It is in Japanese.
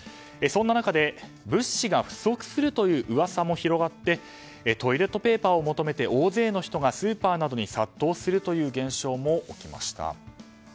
そんな中で、物資が不足するといううわさが広まってトイレットペーパーを求めて大勢の人がスーパーなどに殺到するという現象も起きました。